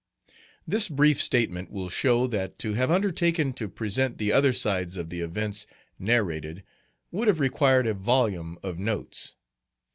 This brief statement will show that to have undertaken to present the other sides of the events narrated would have required a volume of notes.